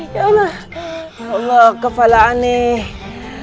ya allah ya allah kepala aneh